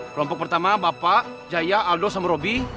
kelompok pertama bapak jaya aldo sama robby